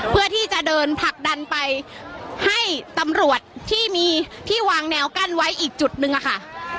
เพื่อที่จะเดินผลักดันไปให้ตำรวจที่มีที่วางแนวกั้นไว้อีกจุดนึงอะค่ะ